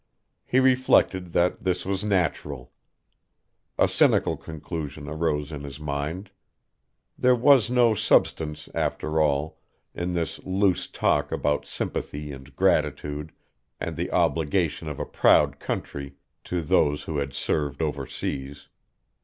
He reflected that this was natural. A cynical conclusion arose in his mind. There was no substance, after all, in this loose talk about sympathy and gratitude and the obligation of a proud country to those who had served overseas.